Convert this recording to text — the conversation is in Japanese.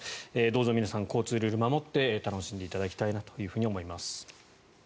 どうぞ皆さん交通ルール守って楽しんでいただきたいと思います。